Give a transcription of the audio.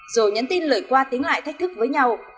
rồi nhắn tin lời qua tiếng lại thách thức với nhau